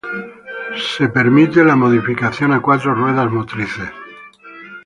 Se permite la modificación a cuatro ruedas motrices.